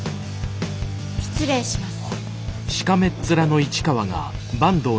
失礼します。